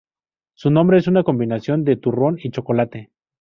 Su nombre es una combinación de turrón y chocolate.